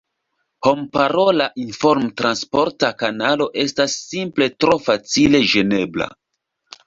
Homparola informtransporta kanalo estas simple tro facile ĝenebla.